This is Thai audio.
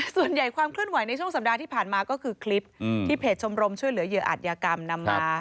ส่วนใหญ่ความเคลื่อนไหวในช่วงสัปดาห์ที่ผ่านมาก็คือคลิปที่เพจชมรมช่วยเหลือเหยื่ออาจยากรรมนำมา